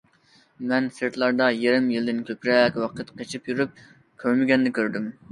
مەن سىرتلاردا يېرىم يىلدىن كۆپرەك ۋاقىت قېچىپ يۈرۈپ كۆرمىگەننى كۆردۈم.